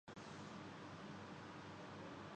معاویہ Abu Sufyan bin Harb کے بیٹے تھے